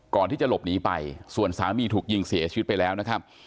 ก่อนที่จะหลบหนีไปส่วนสามีถูกยิงเสียชีวิตไปแล้วนะครับ